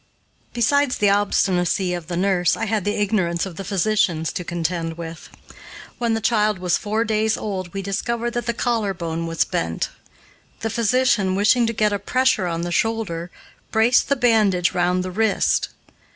Besides the obstinacy of the nurse, I had the ignorance of physicians to contend with. When the child was four days old we discovered that the collar bone was bent. The physician, wishing to get a pressure on the shoulder, braced the bandage round the wrist.